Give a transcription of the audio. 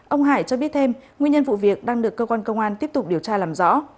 ông hải cho biết thêm nguyên nhân vụ việc đang được cơ quan công an tiếp tục điều tra làm rõ